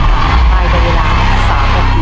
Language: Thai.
ไปบรรยาราคม๓ปี